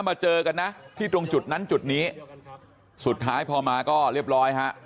มาเจอกันนะที่ตรงจุดนั้นจุดนี้สุดท้ายพอมาก็เรียบร้อยฮะ